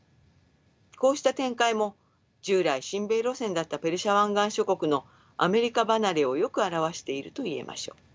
こうした展開も従来親米路線だったペルシャ湾岸諸国のアメリカ離れをよく表していると言えましょう。